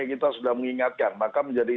kita sudah mengingatkan maka menjadi